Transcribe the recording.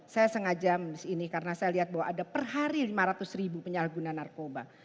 saya sengaja menulis ini karena saya lihat bahwa ada perhari lima ratus ribu penyalahguna narkoba